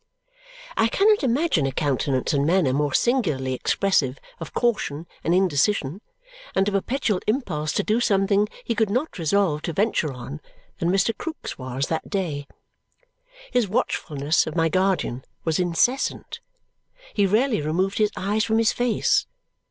I cannot imagine a countenance and manner more singularly expressive of caution and indecision, and a perpetual impulse to do something he could not resolve to venture on, than Mr. Krook's was that day. His watchfulness of my guardian was incessant. He rarely removed his eyes from his face.